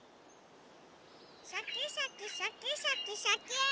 シャキシャキシャキシャキシャキーン！